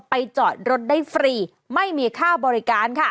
จอดรถได้ฟรีไม่มีค่าบริการค่ะ